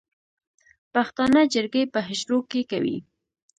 پښتانه جرګې په حجرو کې کوي